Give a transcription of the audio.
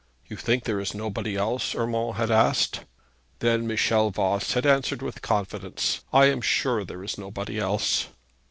'You think there is nobody else?' Urmand had asked. Then Michel Voss had answered with confidence, 'I am sure there is nobody else.'